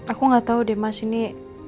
aku gak tau deh mas ini